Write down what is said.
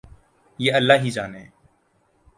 یہ اللہ ہی جانے۔